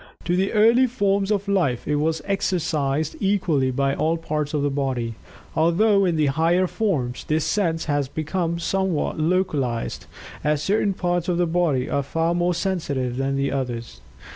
In the early forms of life it was exercised equally by all parts of the body, although in the higher forms this sense has become somewhat localized, as certain parts of the body are far more sensitive than are others.